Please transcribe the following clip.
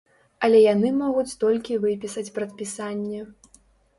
Але яны могуць толькі выпісаць прадпісанне.